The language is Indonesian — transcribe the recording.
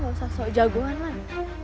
lo gak usah sok jagoan lan